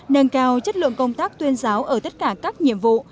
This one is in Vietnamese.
nâng cao chất lượng công tác tuyên giáo ở tất cả các nhiệm vụ